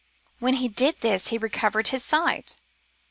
When he did this he recovered his sight.